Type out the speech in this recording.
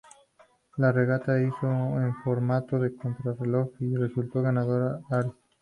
La regata se hizo en formato de contrarreloj y resultó ganadora Ares.